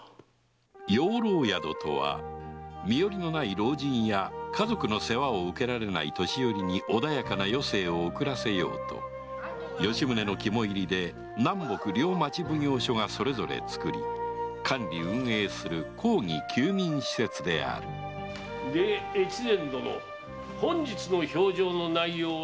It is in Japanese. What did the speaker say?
養老宿とは身寄りのない老人や家族の世話を受けられない年寄りに穏やかな余生を送らせようと吉宗の肝いりで南北両町奉行所がそれぞれ作り管理・運営する公儀窮民施設であるで越前殿本日の評定の内容は？